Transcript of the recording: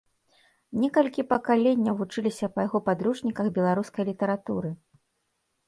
Некалькі пакаленняў вучыліся па яго падручніках беларускай літаратуры.